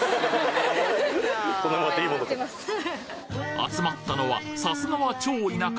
集まったのはさすがはチョ田舎